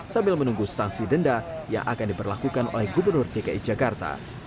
sambil menunggu sanksi denda yang akan diberlakukan oleh gubernur dki jakarta